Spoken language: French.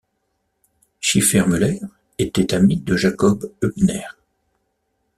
Schiffermüller était ami de Jakob Hübner.